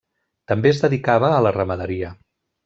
També es dedicava a la ramaderia.